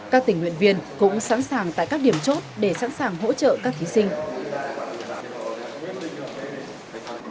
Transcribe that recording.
các tình nguyện viên cũng sẵn sàng tại các điểm chốt để sẵn sàng hỗ trợ các thí sinh